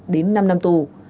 đến năm năm tù